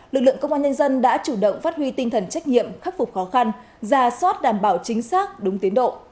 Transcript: lực lượng công an nhân dân đã chủ động phát huy tinh thần trách nhiệm khắc phục khó khăn giả soát đảm bảo chính xác đúng tiến độ